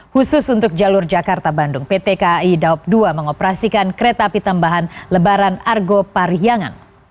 khusus untuk jalur jakarta bandung pt kai daop dua mengoperasikan kereta api tambahan lebaran argo pariangan